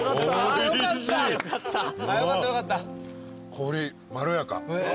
氷まろやか。